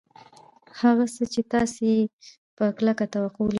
هغه څه چې تاسې یې په کلکه توقع لرئ